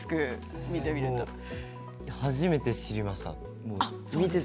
初めて知りました。